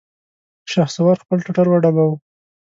شهسوار خپل ټټر وډباوه!